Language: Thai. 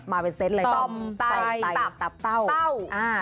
มาเป็นเซ็ตอะไรตลอ่มใตตับเต้า